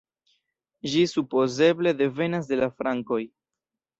Ĝi supozeble devenas de la frankoj.